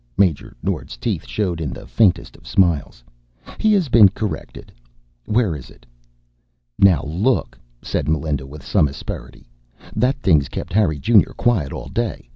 Major Nord's teeth showed in the faintest of smiles. "He has been corrected. Where is it?" "Now look," said Melinda with some asperity. "That thing's kept Harry Junior quiet all day.